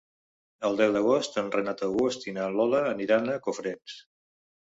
El deu d'agost en Renat August i na Lola aniran a Cofrents.